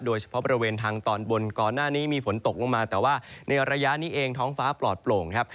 โดยเฉพาะบริเวณทางตอนบนก่อนหน้านี้มีฝนตกลงมาแต่ว่าในระยะนี้เองท้องฟ้าปลอดโปร่งครับ